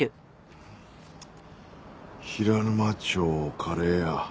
平沼町カレー屋。